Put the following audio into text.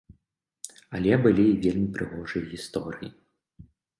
Але былі і вельмі прыгожыя гісторыі.